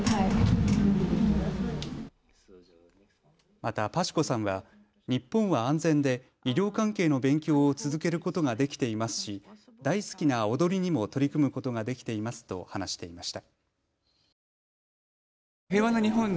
またパシュコさんは日本は安全で医療関係の勉強を続けることができていますし大好きな踊りにも取り組むことができていますと話していました。